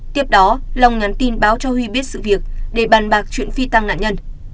tiếp đó long nhắn tin báo cho huy biết sự việc để bàn bạc chuyện phi tăng nạn nhân